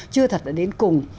chưa thật là đến cùng